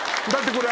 これ。